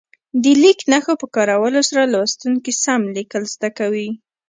د لیک نښو په کارولو سره لوستونکي سم لیکل زده کوي.